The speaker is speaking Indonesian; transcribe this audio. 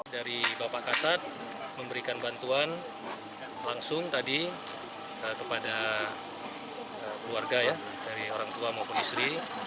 dari bapak kasat memberikan bantuan langsung tadi kepada keluarga ya dari orang tua maupun istri